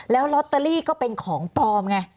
แล้วลอตเตอรี่ก็เป็นของปลอมไง